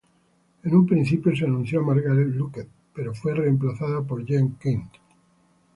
En un principio se anunció a Margaret Lockwood, pero fue reemplazada por Jean Kent.